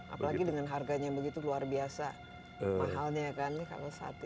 apalagi dengan harganya begitu luar biasa mahalnya kan kalau satu